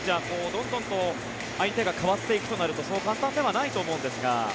どんどんと相手が代わっていくとなるとそう簡単ではないと思うんですが。